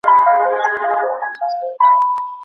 ايا دا پروسه ستونزمنه ده؟